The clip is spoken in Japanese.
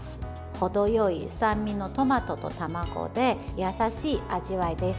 程良い酸味のトマトと卵で優しい味わいです。